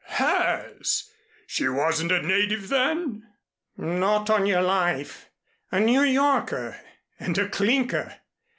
"Hers! She wasn't a native then?" "Not on your life. A New Yorker and a clinker.